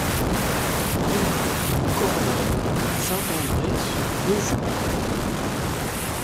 Route du Corbet, Saint-André-sur-Vieux-Jonc